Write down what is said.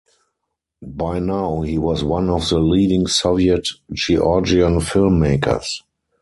By now he was one of the leading Soviet Georgian film-makers.